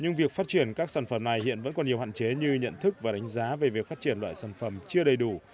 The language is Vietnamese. nhưng việc phát triển các sản phẩm này hiện vẫn còn nhiều hạn chế như nhận thức và đánh giá về việc phát triển loại sản phẩm chưa đầy đủ